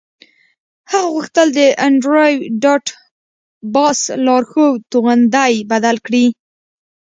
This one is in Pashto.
هغه غوښتل د انډریو ډاټ باس لارښود توغندی بدل کړي